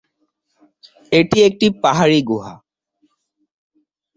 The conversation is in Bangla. এটি একটি পাহাড়ি গুহা।